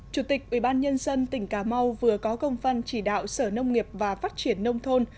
chủ tịch ubnd tỉnh cà mau vừa có công phân chỉ đạo sở nông nghiệp và phát triển nông thôn